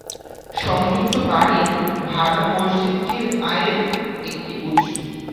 সংযুক্ত বাড়ির ভাড়া মসজিদটির আয়ের একটি উৎস।